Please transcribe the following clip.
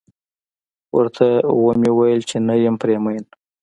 ورته و مې ويل چې نه یم پرې مين.